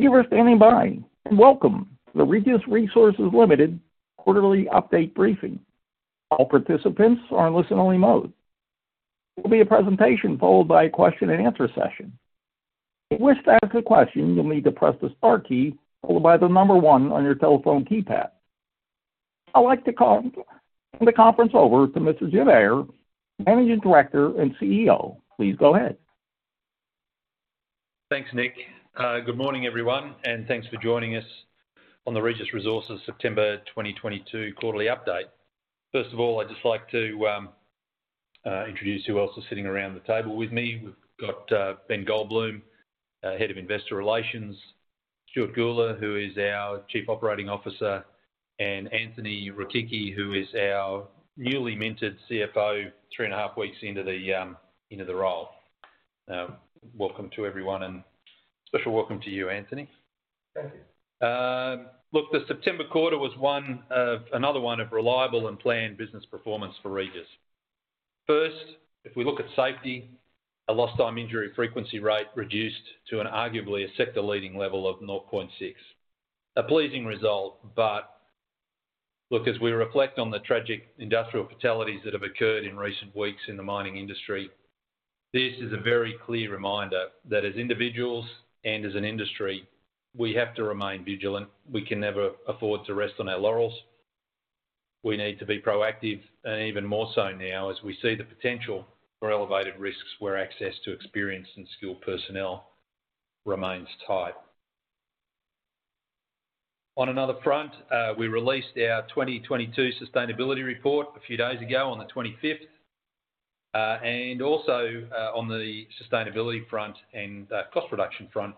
Thank you for standing by, and welcome to the Regis Resources Limited quarterly update briefing. All participants are in listen-only mode. There will be a presentation followed by a question and answer session. If you wish to ask a question, you'll need to press the star key followed by the number one on your telephone keypad. I'd like to turn the conference over to Mr. Jim Beyer, Managing Director and CEO. Please go ahead. Thanks, Nick. Good morning, everyone, and thanks for joining us on the Regis Resources September 2022 quarterly update. First of all, I'd just like to introduce who else is sitting around the table with me. We've got Ben Goldbloom, our Head of Investor Relations, Stuart Gula, who is our Chief Operating Officer, and Anthony Rechichi, who is our newly minted CFO three and a half weeks into the role. Welcome to everyone and special welcome to you, Anthony. Thank you. Look, the September quarter was another one of reliable and planned business performance for Regis. First, if we look at safety, our lost time injury frequency rate reduced to an arguably sector-leading level of 0.6. A pleasing result, but look, as we reflect on the tragic industrial fatalities that have occurred in recent weeks in the mining industry, this is a very clear reminder that as individuals and as an industry, we have to remain vigilant. We can never afford to rest on our laurels. We need to be proactive, and even more so now as we see the potential for elevated risks where access to experienced and skilled personnel remains tight. On another front, we released our 2022 sustainability report a few days ago on the 25th. On the sustainability front and cost reduction front,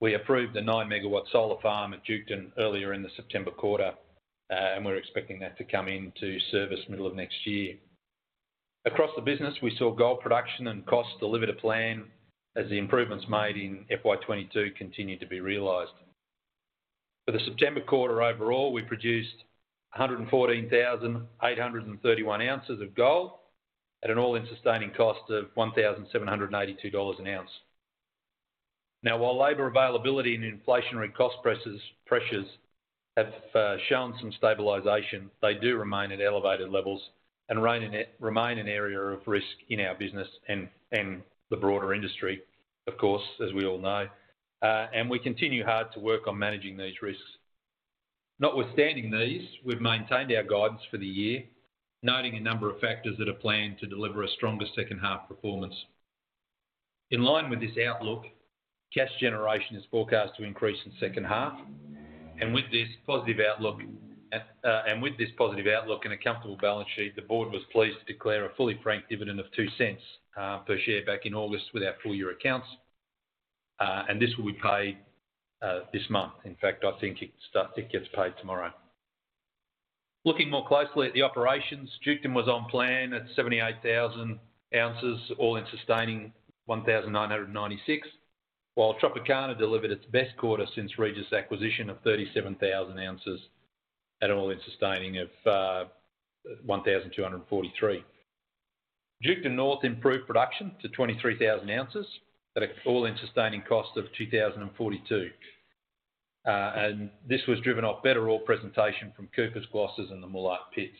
we approved a 9 MW solar farm at Duketon earlier in the September quarter, and we're expecting that to come into service middle of next year. Across the business, we saw gold production and costs delivered to plan as the improvements made in FY 2022 continued to be realized. For the September quarter overall, we produced 114,831 oz of gold at an all-in sustaining cost of 1,782 dollars an ounce. Now, while labor availability and inflationary cost pressures have shown some stabilization, they do remain at elevated levels and remain an area of risk in our business and the broader industry, of course, as we all know. We continue to work hard on managing these risks. Notwithstanding these, we've maintained our guidance for the year, noting a number of factors that are planned to deliver a stronger second half performance. In line with this outlook, cash generation is forecast to increase in second half. With this positive outlook and a comfortable balance sheet, the board was pleased to declare a fully franked dividend of 0.02 per share back in August with our full-year accounts. This will be paid this month. In fact, I think it gets paid tomorrow. Looking more closely at the operations, Duketon was on plan at 78,000 oz, all-in sustaining 1,996. While Tropicana delivered its best quarter since Regis acquisition of 37,000 oz at all-in sustaining of 1,243. Duketon North improved production to 23,000 oz at an all-in sustaining cost of 2,042. This was driven by better ore presentation from Coopers and the Moolart pits.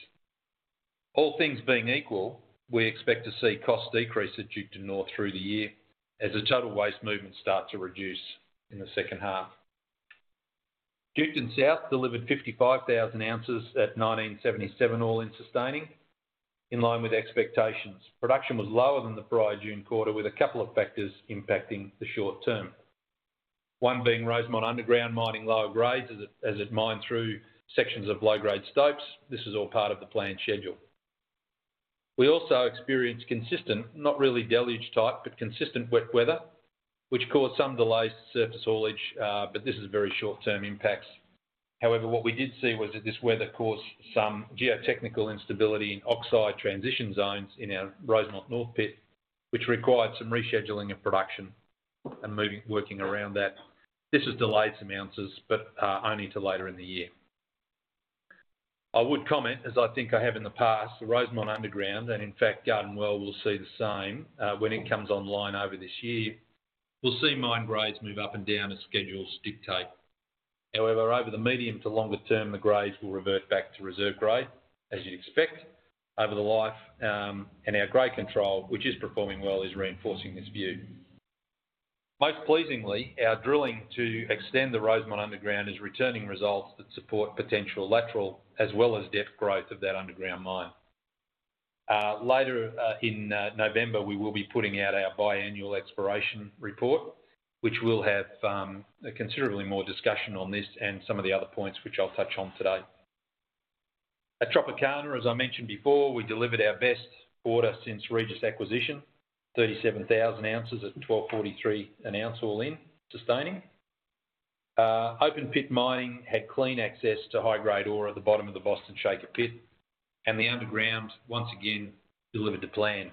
All things being equal, we expect to see costs decrease at Duketon North through the year as the total waste movement starts to reduce in the second half. Duketon South delivered 55,000 oz at 1,977 all-in sustaining, in line with expectations. Production was lower than the prior June quarter with a couple of factors impacting the short term. One being Rosemont underground mining lower grades as it mined through sections of low-grade stopes. This is all part of the planned schedule. We also experienced consistent, not really deluge type, but consistent wet weather, which caused some delays to surface haulage, but this is very short-term impacts. However, what we did see was that this weather caused some geotechnical instability in oxide transition zones in our Rosemont North pit, which required some rescheduling of production and working around that. This has delayed some ounces, but only till later in the year. I would comment, as I think I have in the past, the Rosemont underground, and in fact, Garden Well will see the same, when it comes online over this year. We'll see mine grades move up and down as schedules dictate. However, over the medium to longer term, the grades will revert back to reserve grade, as you'd expect, over the life. Our grade control, which is performing well, is reinforcing this view. Most pleasingly, our drilling to extend the Rosemont underground is returning results that support potential lateral as well as depth growth of that underground mine. Later in November, we will be putting out our biannual exploration report, which will have a considerably more discussion on this and some of the other points which I'll touch on today. At Tropicana, as I mentioned before, we delivered our best quarter since Regis acquisition, 37,000 oz at 1,243 an ounce all-in sustaining. Open pit mining had clean access to high-grade ore at the bottom of the Boston Shaker pit, and the underground, once again, delivered to plan.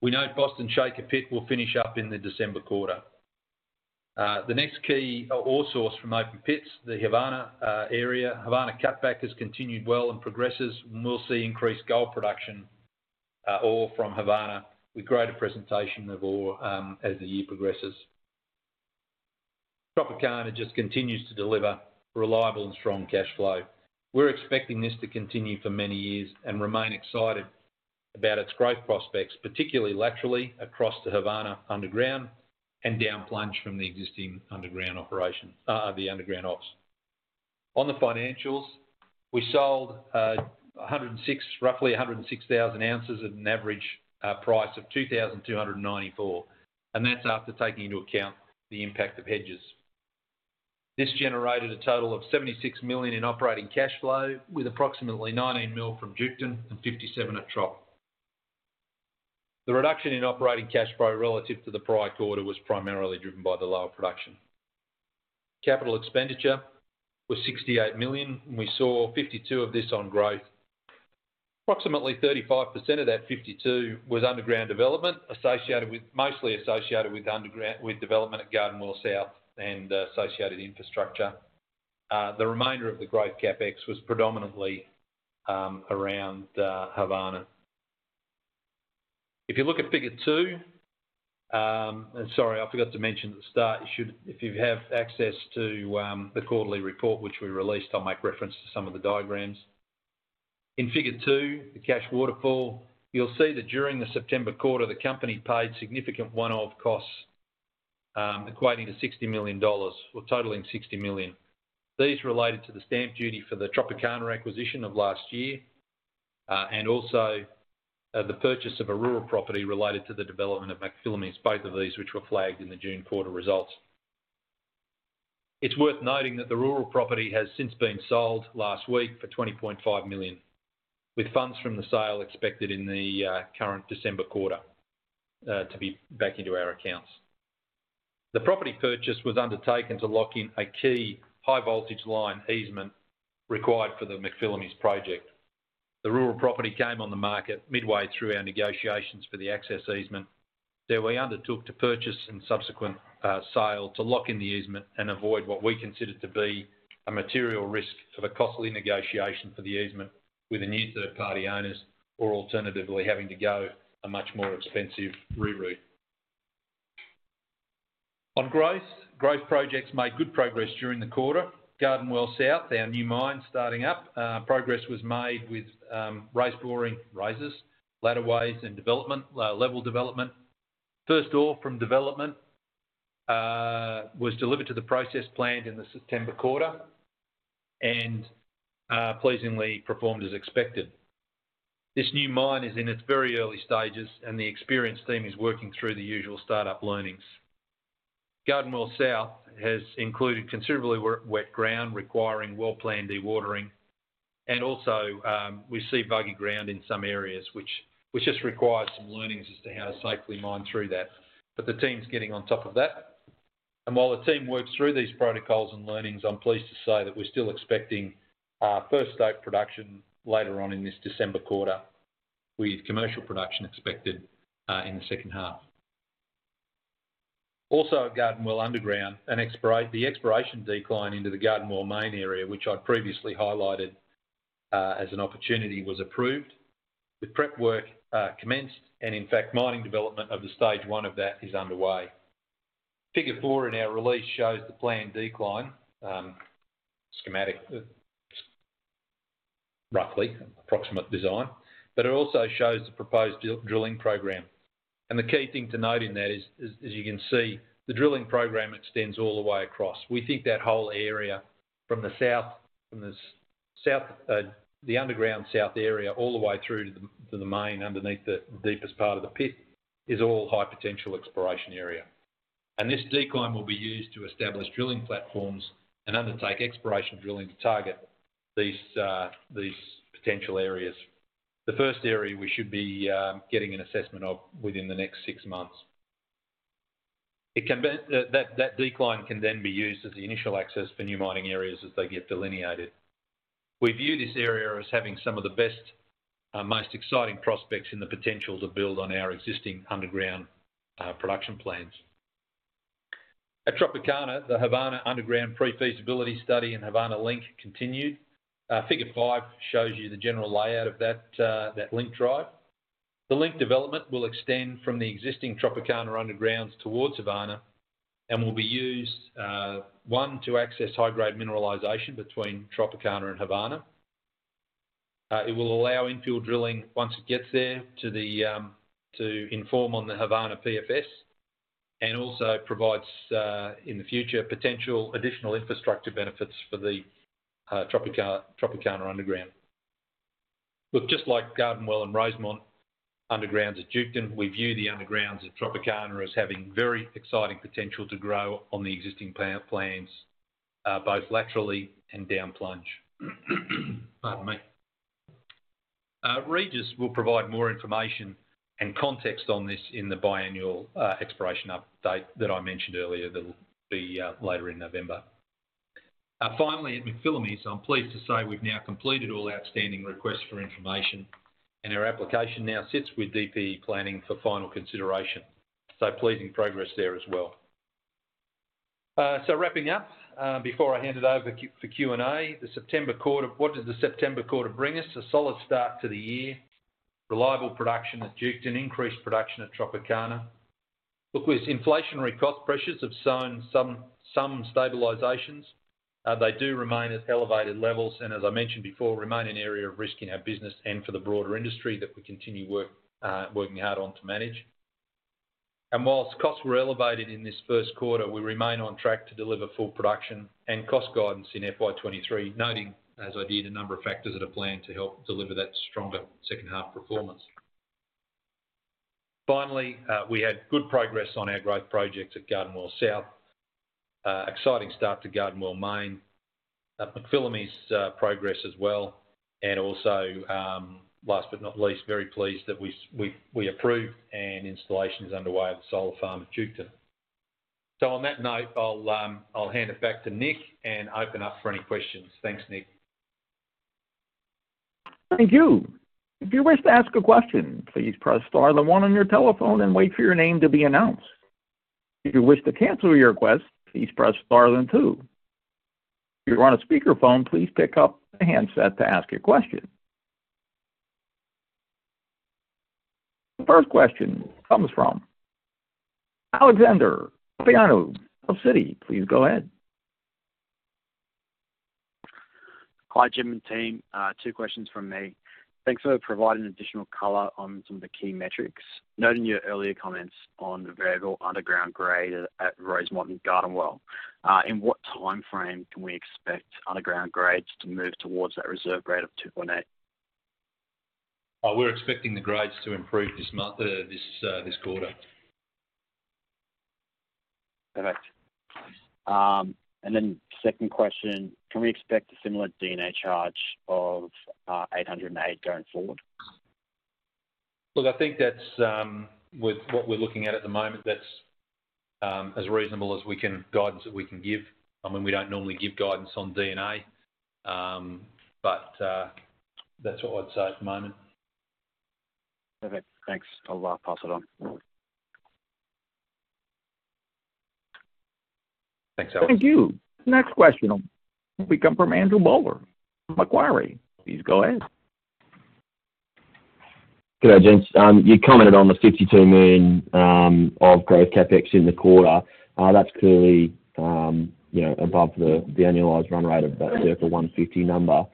We note Boston Shaker pit will finish up in the December quarter. The next key ore source from open pits, the Havana area. Havana cutback has continued well and progresses, and we'll see increased gold production from Havana with greater presentation of ore, the year progresses. Tropicana just continues to deliver reliable and strong cash flow. We're expecting this to continue for many years and remain excited about its growth prospects, particularly laterally across the Havana underground and down plunge from the existing underground operation, the underground ops. On the financials, we sold roughly 106,000 oz at an average price of 2,294, and that's after taking into account the impact of hedges. This generated a total of 76 million in operating cash flow, with approximately 19 million from Duketon and 57 million at Trop. The reduction in operating cash flow relative to the prior quarter was primarily driven by the lower production. Capital expenditure was 68 million, and we saw 52 million of this on growth. Approximately 35% of that 52 was underground development, mostly associated with development at Garden Well South and associated infrastructure. The remainder of the growth CapEx was predominantly around Havana. If you look at Figure two, and sorry, I forgot to mention at the start, you should, if you have access to, the quarterly report which we released, I'll make reference to some of the diagrams. In Figure two, the cash waterfall, you'll see that during the September quarter, the company paid significant one-off costs, equating to 60 million dollars or totaling 60 million. These related to the stamp duty for the Tropicana acquisition of last year, and also, the purchase of a rural property related to the development of McPhillamys, both of these which were flagged in the June quarter results. It's worth noting that the rural property has since been sold last week for 20.5 million, with funds from the sale expected in the current December quarter to be back into our accounts. The property purchase was undertaken to lock in a key high voltage line easement required for the McPhillamys project. The rural property came on the market midway through our negotiations for the access easement that we undertook to purchase and subsequent sale to lock in the easement and avoid what we considered to be a material risk of a costly negotiation for the easement with the new third party owners, or alternatively, having to go a much more expensive reroute. On growth projects made good progress during the quarter. Garden Well South, our new mine starting up, progress was made with raise boring raises, ladder ways and level development. First ore from development was delivered to the process plant in the September quarter and pleasingly performed as expected. This new mine is in its very early stages and the experienced team is working through the usual startup learnings. Garden Well South has included considerably wet ground requiring well-planned dewatering. Also, we see boggy ground in some areas, which just requires some learnings as to how to safely mine through that. The team's getting on top of that. While the team works through these protocols and learnings, I'm pleased to say that we're still expecting first stope production later on in this December quarter, with commercial production expected in the second half. Also at Garden Well underground, the exploration decline into the Garden Well main area, which I'd previously highlighted as an opportunity, was approved. The prep work commenced, and in fact, mining development of the stage 1 of that is underway. Figure four in our release shows the planned decline schematic, roughly approximate design, but it also shows the proposed drilling program. The key thing to note in that is as you can see, the drilling program extends all the way across. We think that whole area from the south, the underground south area all the way through to the main underneath the deepest part of the pit, is all high potential exploration area. This decline will be used to establish drilling platforms and undertake exploration drilling to target these potential areas. The first area we should be getting an assessment of within the next six months. It can then, that decline can then be used as the initial access for new mining areas as they get delineated. We view this area as having some of the best, most exciting prospects in the potential to build on our existing underground production plans. At Tropicana, the Havana underground pre-feasibility study and Havana link continued. Figure five shows you the general layout of that link drive. The link development will extend from the existing Tropicana underground towards Havana and will be used, one, to access high-grade mineralization between Tropicana and Havana. It will allow infill drilling once it gets there to inform on the Havana PFS, and also provides, in the future, potential additional infrastructure benefits for the Tropicana underground. Look, just like Garden Well and Rosemont undergrounds at Duketon, we view the undergrounds at Tropicana as having very exciting potential to grow on the existing plans, both laterally and down plunge. Pardon me. Regis will provide more information and context on this in the biannual exploration update that I mentioned earlier that will be later in November. Finally, at McPhillamys, I'm pleased to say we've now completed all outstanding requests for information and our application now sits with DPE Planning for final consideration. Pleasing progress there as well. Wrapping up, before I hand it over for Q&A. The September quarter, what does the September quarter bring us? A solid start to the year. Reliable production at Duketon, increased production at Tropicana. Look, while inflationary cost pressures have shown some stabilizations. They do remain at elevated levels and as I mentioned before, remain an area of risk in our business and for the broader industry that we continue working hard on to manage. While costs were elevated in this first quarter, we remain on track to deliver full production and cost guidance in FY 2023. Noting, as I did, a number of factors that are planned to help deliver that stronger second half performance. Finally, we had good progress on our growth projects at Garden Well South. Exciting start to Garden Well Main. At McPhillamys, progress as well, and also, last but not least, very pleased that we approved and installation is underway at the solar farm at Duketon. On that note, I'll hand it back to Nick and open up for any questions. Thanks, Nick. Thank you. If you wish to ask a question, please press star then one on your telephone and wait for your name to be announced. If you wish to cancel your request, please press star then two. If you're on a speakerphone, please pick up the handset to ask your question. The first question comes from Alexander Papaioanou, Citi. Please go ahead. Hi, Jim and team. Two questions from me. Thanks for providing additional color on some of the key metrics. Noting your earlier comments on the variable underground grade at Rosemont and Garden Well, in what timeframe can we expect underground grades to move towards that reserve grade of 2.8? We're expecting the grades to improve this quarter. Perfect. Second question, can we expect a similar D&A charge of 808 going forward? Look, I think that's with what we're looking at at the moment, that's as reasonable as we can, guidance that we can give. I mean, we don't normally give guidance on D&A, but that's what I'd say at the moment. Perfect. Thanks. I'll pass it on. Thanks, Alex. Thank you. Next question will be coming from Andrew Bowler from Macquarie. Please go ahead. Good day, gents. You commented on the 62 million of growth CapEx in the quarter. That's clearly, you know, above the annualized run rate of that circa 150 number.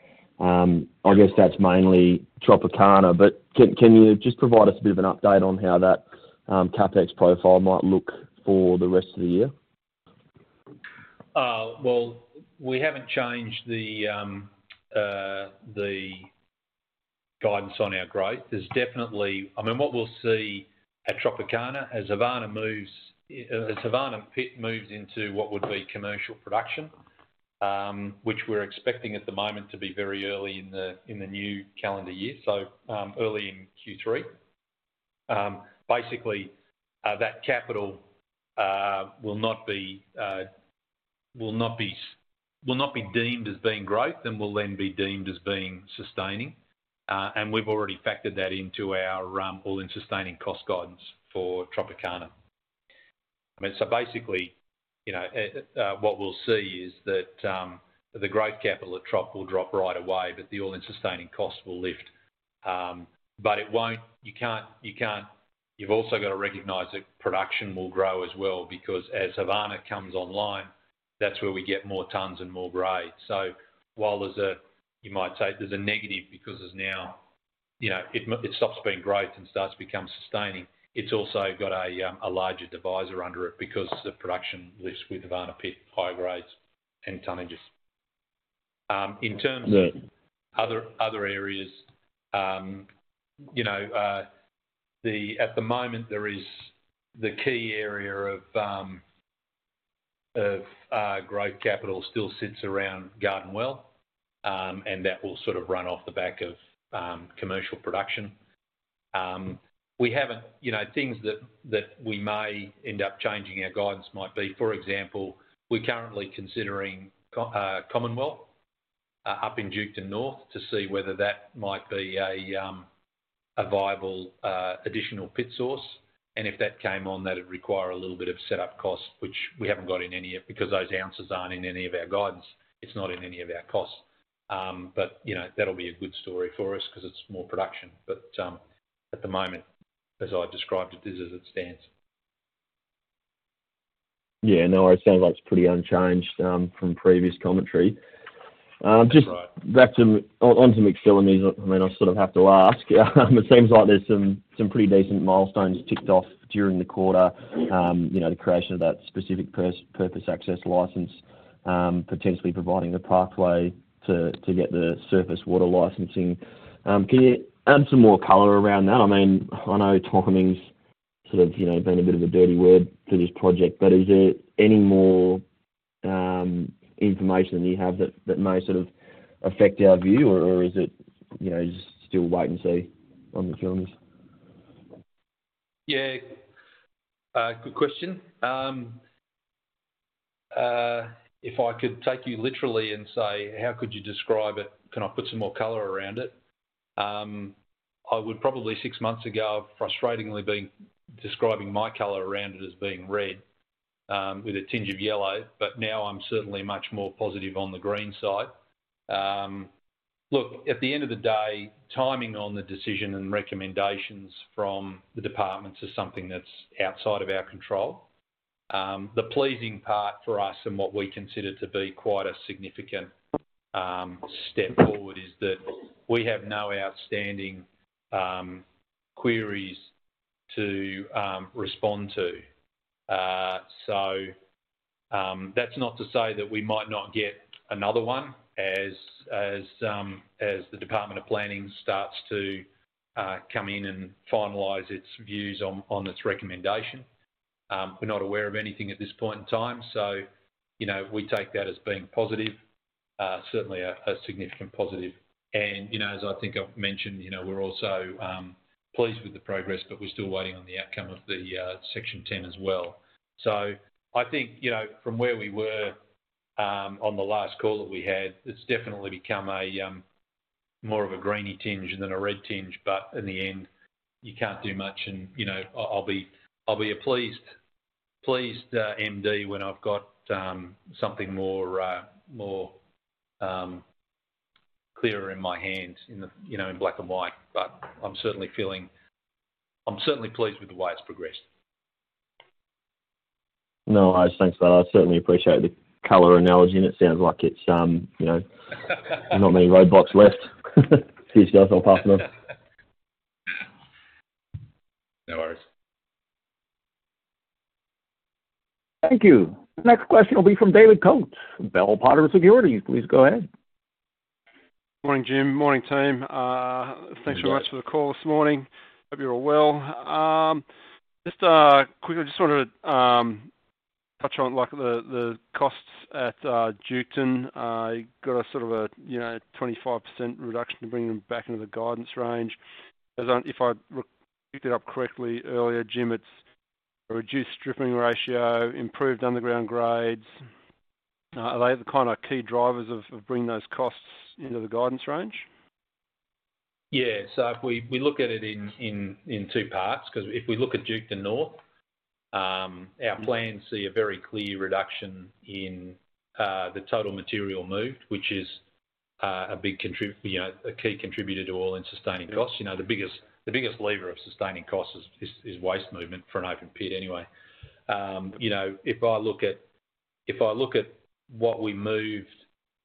I guess that's mainly Tropicana, but can you just provide us a bit of an update on how that CapEx profile might look for the rest of the year? Well, we haven't changed the guidance on our growth. There's definitely I mean, what we'll see at Tropicana as Havana pit moves into what would be commercial production, which we're expecting at the moment to be very early in the new calendar year, early in Q3. Basically, that capital will not be deemed as being growth and will then be deemed as being sustaining. We've already factored that into our all-in sustaining cost guidance for Tropicana. I mean, basically, you know, what we'll see is that the growth capital at Trop will drop right away, but the all-in sustaining costs will lift. It won't. You can't. You've also got to recognize that production will grow as well because as Havana comes online, that's where we get more tons and more grades. While there's a, you might say, there's a negative because there's now, you know, it stops being growth and starts to become sustaining, it's also got a larger divisor under it because the production lifts with Havana pit, high grades and tonnages. In terms- Yeah of other areas, you know, at the moment there is the key area of growth capital still sits around Garden Well, and that will sort of run off the back of commercial production. We haven't, you know, things that we may end up changing our guidance might be, for example, we're currently considering Commonwealth up in Duketon North, to see whether that might be a viable additional pit source. If that came on, that'd require a little bit of setup cost, which we haven't got in any of, because those ounces aren't in any of our guidance. It's not in any of our costs. You know, that'll be a good story for us 'cause it's more production. At the moment, as I described it, this is its stance. Yeah, no, it sounds like it's pretty unchanged from previous commentary. Right. Back to McPhillamys. I mean, I sort of have to ask. It seems like there's some pretty decent milestones ticked off during the quarter. You know, the creation of that specific purpose access license, potentially providing the pathway to get the surface water licensing. Can you add some more color around that? I mean, I know timing's sort of, you know, been a bit of a dirty word for this project, but is there any more information that you have that may sort of affect our view? Or is it, you know, just still wait and see on McPhillamys? Yeah. Good question. If I could take you literally and say, how could you describe it? Can I put some more color around it? I would probably six months ago, frustratingly being, describing my color around it as being red, with a tinge of yellow. But now I'm certainly much more positive on the green side. Look, at the end of the day, timing on the decision and recommendations from the departments is something that's outside of our control. The pleasing part for us and what we consider to be quite a significant step forward is that we have no outstanding queries to respond to. So, that's not to say that we might not get another one as the Department of Planning starts to come in and finalize its views on its recommendation. We're not aware of anything at this point in time. You know, we take that as being positive, certainly a significant positive. You know, as I think I've mentioned, you know, we're also pleased with the progress, but we're still waiting on the outcome of the Section 10 as well. I think, you know, from where we were on the last call that we had, it's definitely become more of a greeny tinge than a red tinge. In the end, you can't do much and, you know, I'll be a pleased MD when I've got something more clearer in my hands in the, you know, in black and white. I'm certainly pleased with the way it's progressed. No, I just think so. I certainly appreciate the color analogy, and it sounds like it's, you know, not many roadblocks left. Cheers guys, I'll pass now. No worries. Thank you. Next question will be from David Coates from Bell Potter Securities. Please go ahead. Morning, Jim. Morning, team. Hi, Dave. Thanks very much for the call this morning. Hope you're all well. Just quickly, just wanted to touch on, like, the costs at Duketon. You got a sort of a, you know, 25% reduction to bring them back into the guidance range. If I picked it up correctly earlier, Jim, it's a reduced stripping ratio, improved underground grades. Are they the kind of key drivers of bringing those costs into the guidance range? Yeah. If we look at it in two parts, 'cause if we look at Duketon North Mm-hmm Our plans see a very clear reduction in the total material moved, which is you know, a key contributor to all-in sustaining costs. Yeah. You know, the biggest lever of sustaining costs is waste movement for an open pit anyway. You know, if I look at what we moved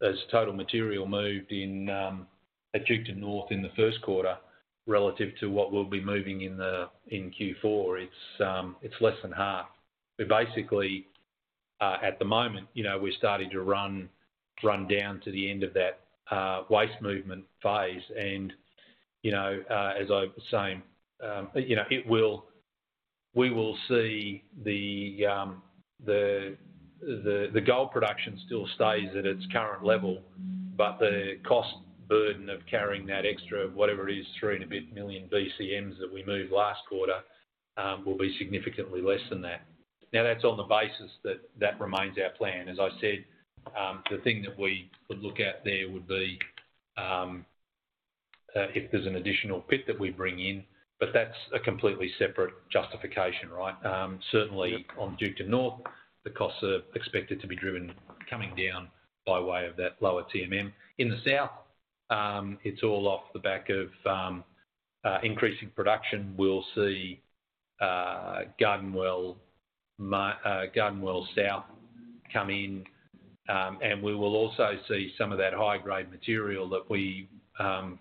as total material moved in at Duketon North in the first quarter relative to what we'll be moving in Q4, it's less than half. We're basically at the moment, you know, we're starting to run down to the end of that waste movement phase and, you know, as I was saying, you know, we will see the gold production still stays at its current level, but the cost burden of carrying that extra, whatever it is, 3 and a bit million BCMs that we moved last quarter will be significantly less than that. Now, that's on the basis that that remains our plan. As I said, the thing that we would look at there would be, if there's an additional pit that we bring in, but that's a completely separate justification, right? Yeah. Certainly on Duketon North, the costs are expected to be driven coming down by way of that lower TMM. In the south, it's all off the back of increasing production. We'll see Garden Well South come in, and we will also see some of that high-grade material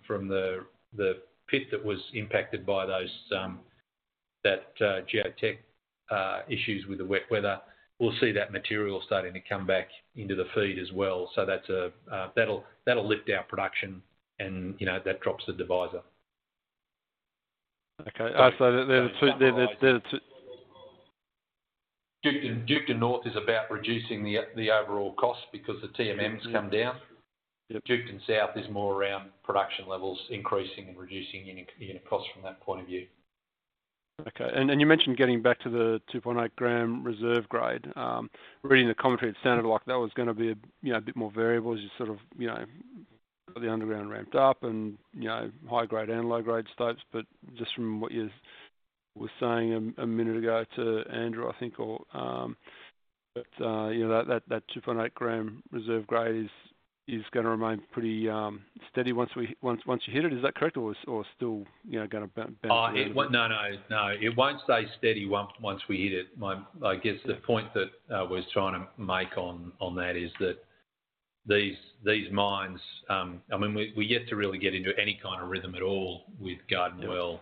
from the pit that was impacted by those geotech issues with the wet weather. We'll see that material starting to come back into the feed as well. That'll lift our production and, you know, that drops the divisor. Okay. The two Duketon North is about reducing the overall cost because the TMMs come down. Yeah. Duketon South is more around production levels increasing and reducing unit cost from that point of view. You mentioned getting back to the 2.8 g reserve grade. Reading the commentary, it sounded like that was gonna be you know a bit more variable as you sort of you know got the underground ramped up and you know high grade and low grade stopes, but just from what you were saying a minute ago to Andrew, I think, or that you know that 2.8 g reserve grade is gonna remain pretty steady once you hit it. Is that correct, or still you know gonna bounce? No, no. No, it won't stay steady once we hit it. I guess the point that I was trying to make on that is that these mines, I mean, we're yet to really get into any kind of rhythm at all with Garden Well. Yeah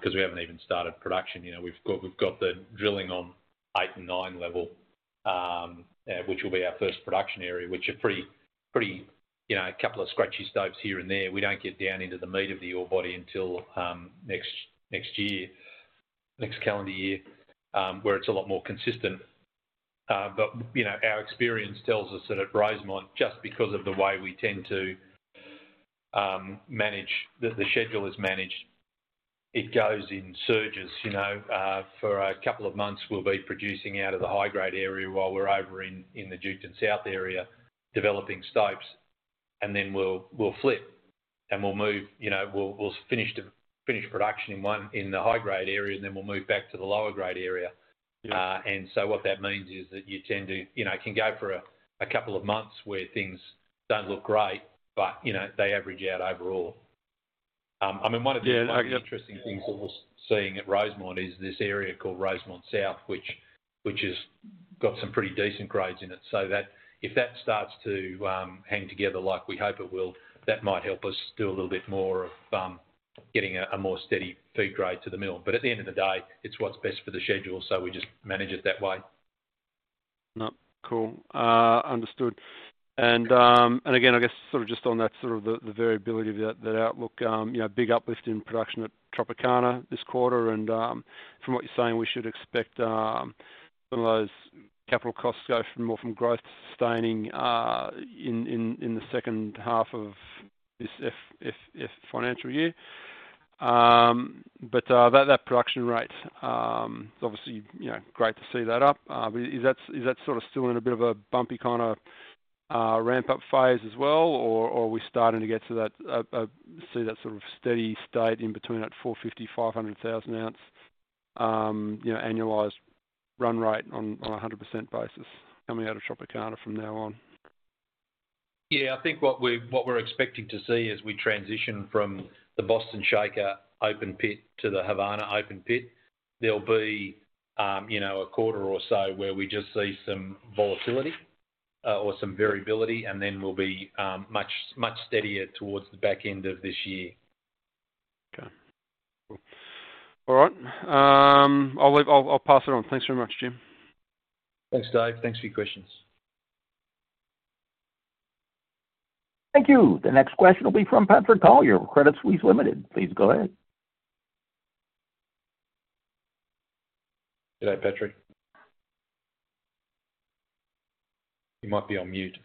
'Cause we haven't even started production. You know, we've got the drilling on 8 and 9 level, which will be our first production area, which are pretty, you know, a couple of scratchy stopes here and there. We don't get down into the meat of the ore body until next calendar year, where it's a lot more consistent. You know, our experience tells us that at Rosemont, just because of the way we tend to manage the schedule. It goes in surges, you know. For a couple of months we'll be producing out of the high-grade area while we're over in the Duketon South area developing stopes. Then we'll flip, and we'll move. You know, we'll finish production in one, in the high-grade area, and then we'll move back to the lower-grade area. Yeah. What that means is that you tend to, you know, can go for a couple of months where things don't look great, but, you know, they average out overall. I mean, one of the- Yeah. One of the interesting things that we're seeing at Rosemont is this area called Rosemont South, which has got some pretty decent grades in it. That, if that starts to hang together like we hope it will, that might help us do a little bit more of getting a more steady feed grade to the mill. At the end of the day, it's what's best for the schedule, so we just manage it that way. No, cool. Understood. I guess sort of just on that sort of the variability of that outlook, you know, big uplift in production at Tropicana this quarter. From what you're saying, we should expect some of those capital costs go from more growth to sustaining in the second half of this financial year. That production rate is obviously, you know, great to see that up. Is that sort of still in a bit of a bumpy kind of ramp-up phase as well, or are we starting to get to see that sort of steady state in between that 450,000 oz-500,000 oz, you know, annualized run rate on a 100% basis coming out of Tropicana from now on? Yeah, I think what we're expecting to see as we transition from the Boston Shaker open pit to the Havana open pit, there'll be, you know, a quarter or so where we just see some volatility, or some variability, and then we'll be much steadier towards the back end of this year. Okay. Cool. All right. I'll pass it on. Thanks very much, Jim. Thanks, Dave. Thanks for your questions. Thank you. The next question will be from Patrick Collier of Credit Suisse. Please go ahead. G'day, Patrick. You might be on mute.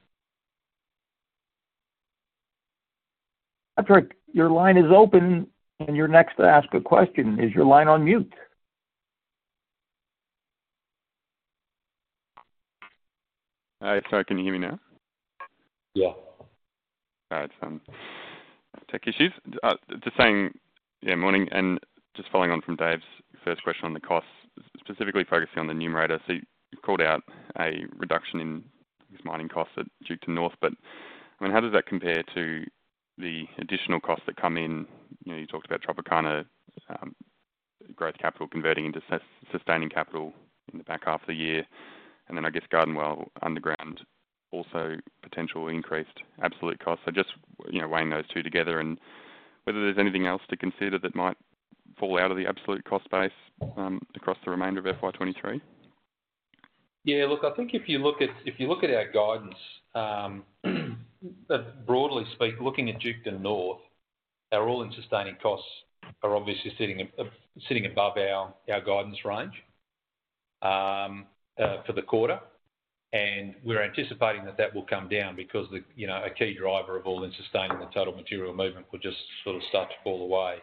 Patrick, your line is open, and you're next to ask a question. Is your line on mute? Sorry, can you hear me now? Yeah. Just following on from Dave's first question on the costs, specifically focusing on the numerator. You called out a reduction in mining costs at Duketon North, but I mean, how does that compare to the additional costs that come in? You know, you talked about Tropicana, growth capital converting into sustaining capital in the back half of the year. Then I guess Garden Well underground also potentially increased absolute costs. Just, you know, weighing those two together and whether there's anything else to consider that might fall out of the absolute cost base, across the remainder of FY 23. Yeah, look, I think if you look at our guidance, broadly speaking, looking at Duketon North, our all-in sustaining costs are obviously sitting above our guidance range for the quarter. We're anticipating that will come down because, you know, a key driver of all-in sustaining the total material movement will just sort of start to fall away.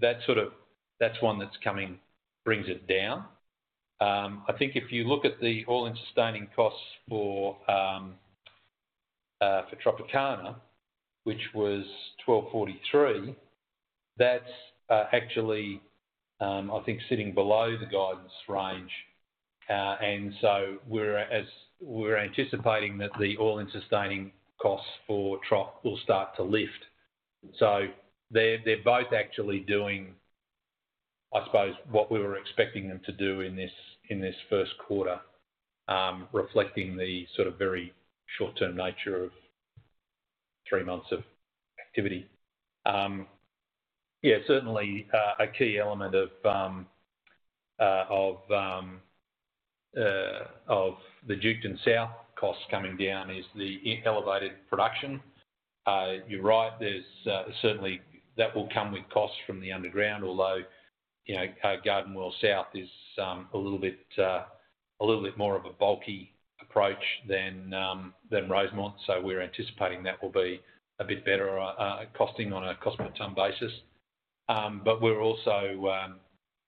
That sort of, that's one that's coming, brings it down. I think if you look at the all-in sustaining costs for Tropicana, which was 1,243, that's actually I think sitting below the guidance range. We're anticipating that the all-in sustaining costs for Trop will start to lift. They're both actually doing, I suppose, what we were expecting them to do in this first quarter. Reflecting the, sort of, very short term nature of 3 months of activity. Certainly, a key element of the Duketon South costs coming down is the elevated production. You're right, there's certainly that will come with costs from the underground, although, you know, Garden Well South is a little bit more of a bulky approach than Rosemont, so we're anticipating that will be a bit better costing on a cost per ton basis. But we're also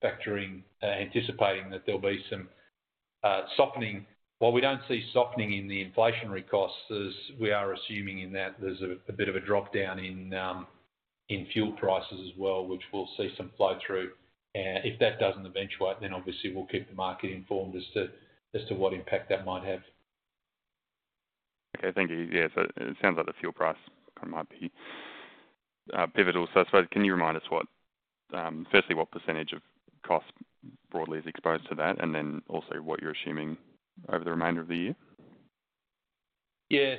factoring anticipating that there'll be some softening. While we don't see softening in the inflationary costs, as we are assuming in that there's a bit of a drop in fuel prices as well, which we'll see some flow through. If that doesn't eventuate, then obviously we'll keep the market informed as to what impact that might have. Okay. Thank you. Yeah, so it sounds like the fuel price kind of might be pivotal. I suppose, can you remind us, firstly, what percentage of cost broadly is exposed to that? And then also what you're assuming over the remainder of the year? Yeah.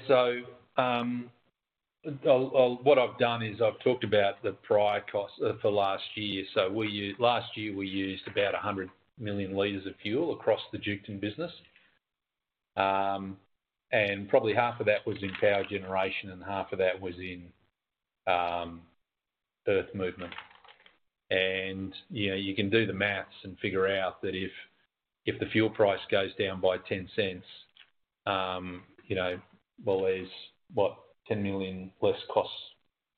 What I've done is I've talked about the prior costs for last year. We used about 100 million L of fuel across the Duketon business last year. Probably half of that was in power generation, and half of that was in earth movement. You know, you can do the math and figure out that if the fuel price goes down by 0.10, you know, well, there's what? 10 million less cost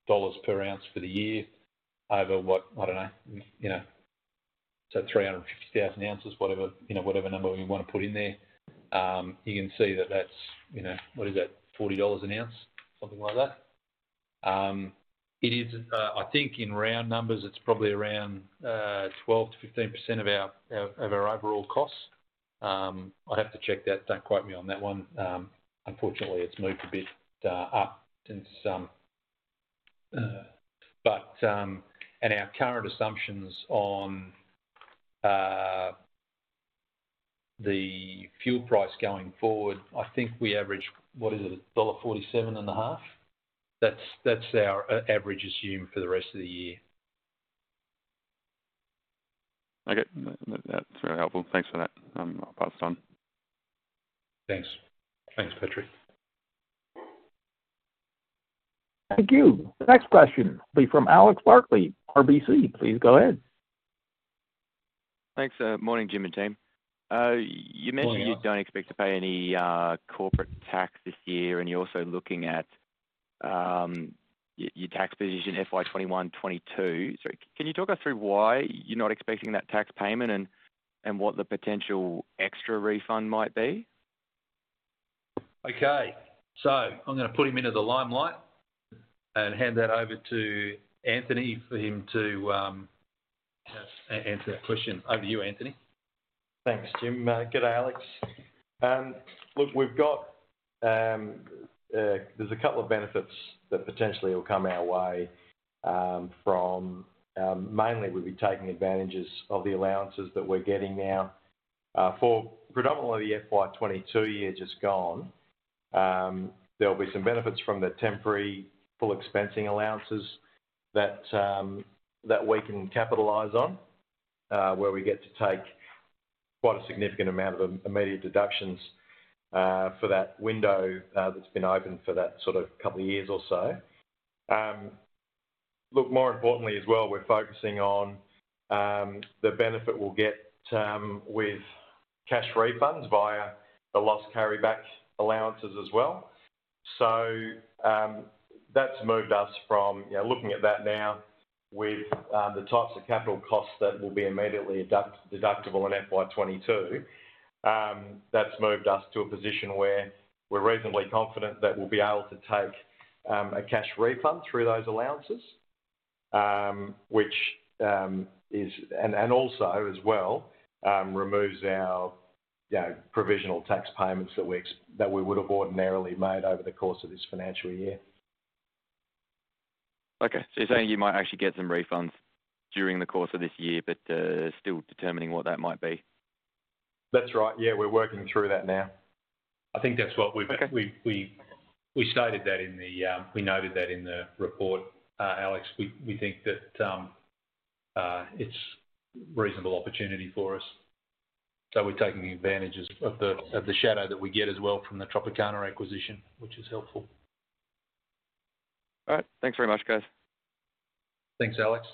dollars per ounce for the year over what? I don't know. You know, so 350,000 oz, whatever, you know, whatever number we wanna put in there. You can see that that's, you know, what is that? 40 dollars an ounce, something like that. It is, I think in round numbers, it's probably around 12%-15% of our overall costs. I'd have to check that. Don't quote me on that one. Unfortunately, it's moved a bit up since. Our current assumptions on the fuel price going forward, I think we average what is it? Dollar 1.475. That's our average assumption for the rest of the year. Okay. That's very helpful. Thanks for that. I'll pass on. Thanks. Thanks, Patrick. Thank you. The next question will be from Alex Barkley, RBC. Please go ahead. Thanks. Morning, Jim and team. You mentioned- Morning, Alex. You don't expect to pay any corporate tax this year, and you're also looking at your tax position FY 21, 22. Can you talk us through why you're not expecting that tax payment and what the potential extra refund might be? Okay. I'm gonna put him into the limelight and hand that over to Anthony for him to answer that question. Over to you, Anthony. Thanks, Jim. Good day, Alex. Look, we've got a couple of benefits that potentially will come our way, from mainly we'll be taking advantages of the allowances that we're getting now, for predominantly the FY 2022 year just gone. There'll be some benefits from the temporary full expensing allowances that we can capitalize on, where we get to take quite a significant amount of immediate deductions, for that window that's been open for that sort of couple of years or so. Look, more importantly as well, we're focusing on the benefit we'll get with cash refunds via the loss carryback allowances as well. That's moved us from, you know, looking at that now with the types of capital costs that will be immediately deductible in FY 2022. That's moved us to a position where we're reasonably confident that we'll be able to take a cash refund through those allowances, which is also as well removes our, you know, provisional tax payments that we would have ordinarily made over the course of this financial year. Okay. You're saying you might actually get some refunds during the course of this year, but still determining what that might be. That's right. Yeah, we're working through that now. I think that's what we've. Okay. We noted that in the report, Alex. We think that it's reasonable opportunity for us. We're taking advantages of the shadow that we get as well from the Tropicana acquisition, which is helpful. All right. Thanks very much, guys. Thanks, Alex.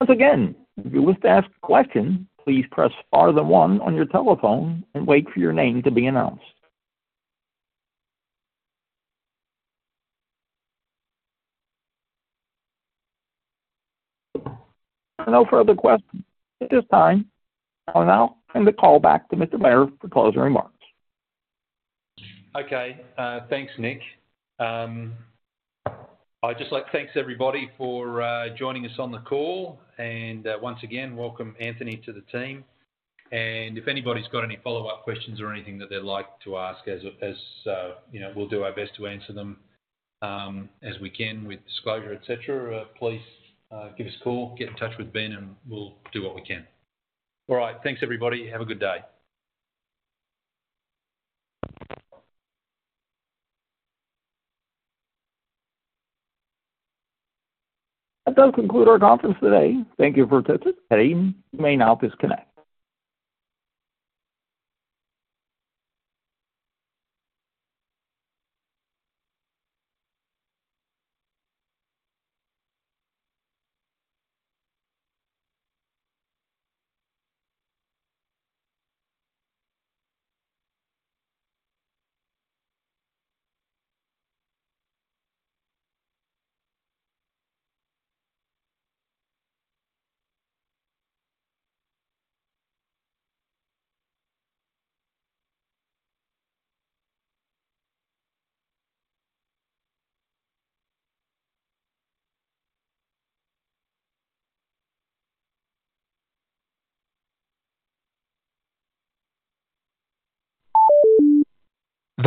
Once again, if you wish to ask a question, please press star then one on your telephone and wait for your name to be announced. There are no further questions at this time. I'll now turn the call back to Mr. Beyer for closing remarks. Okay. Thanks, Nick. I'd just like to thank everybody for joining us on the call and, once again, welcome Anthony to the team. If anybody's got any follow-up questions or anything that they'd like to ask, as you know, we'll do our best to answer them as we can with disclosure, etc. Please give us a call, get in touch with Ben, and we'll do what we can. All right. Thanks, everybody. Have a good day. That does conclude our conference today. Thank you for attending. You may now disconnect.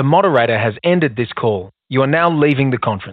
The moderator has ended this call. You are now leaving the conference.